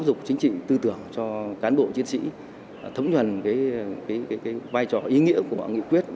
dục chính trị tư tưởng cho cán bộ chiến sĩ thống nhuận vai trò ý nghĩa của nghị quyết